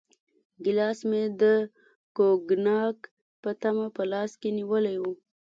ګیلاس مې د کوګناک په تمه په لاس کې نیولی و.